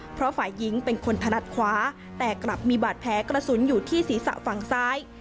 เพราะฝ่ายหญิงเป็นคนถนัดขวาแต่กลับมีบาดแผลกระสุนอยู่ที่ศีรษะฝั่งซ้าย